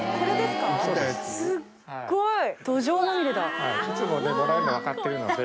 すっごい。